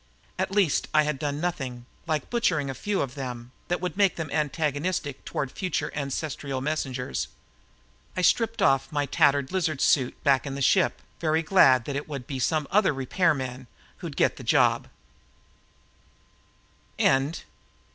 At least I had done nothing, like butchering a few of them, that would make them antagonistic toward future ancestral messengers. I stripped off my tattered lizard suit back in the ship, very glad that it would be some other repairman who'd get the job.